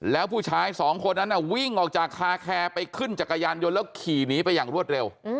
แล้วผู้ชายสองคนนั้นวิ่งออกจากคาแคร์ไปขึ้นจักรยานยนต์แล้วขี่หนีไปอย่างรวดเร็ว